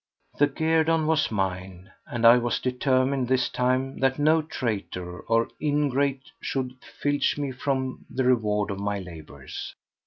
The guerdon was mine, and I was determined this time that no traitor or ingrate should filch from me the reward of my labours.